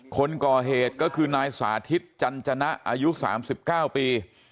คนก่อเหตุก็คือนายสาธิตจันจนะอายุสามสิบเก้าปี